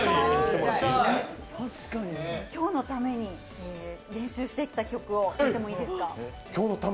今日のために練習してきた曲を弾いてもいいですか。